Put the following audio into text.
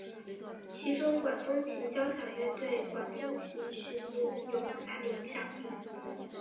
其中管风琴交响乐对管风琴曲目有很大的影响力。